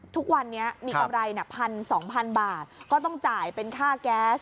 ทุกวันนี้มีกำไร๑๒๐๐๐บาทก็ต้องจ่ายเป็นค่าแก๊ส